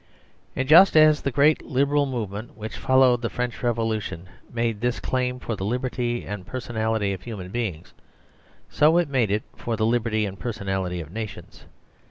And just as the great Liberal movement which followed the French Revolution made this claim for the liberty and personality of human beings, so it made it for the liberty and personality of nations.